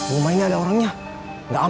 udah enggak rebe duncan daddy